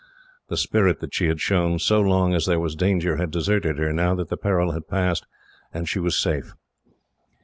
The spirit that she had shown, so long as there was danger, had deserted her now that the peril had passed, and she was safe.